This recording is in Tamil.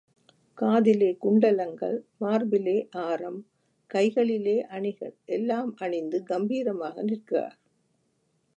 காதிலே குண்டலங்கள், மார்பிலே ஆரம், கைகளிலே அணிகள் எல்லாம் அணிந்து கம்பீரமாக நிற்கிறார்.